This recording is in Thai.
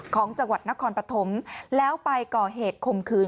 ของจังหวัดนครปฐมแล้วไปก่อเหตุข่มขืน